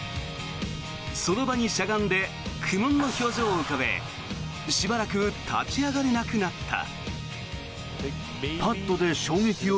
その場にしゃがんで苦もんの表情を浮かべしばらく立ち上がれなくなった。